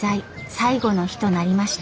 最後の日となりました。